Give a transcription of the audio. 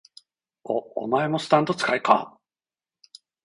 お、お前もスタンド使いか？